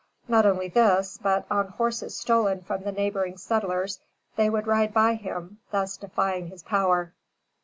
Not only this, but, on horses stolen from the neighboring settlers, they would ride by him, thus defying his power.